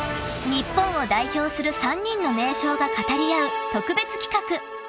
［日本を代表する３人の名将が語り合う特別企画］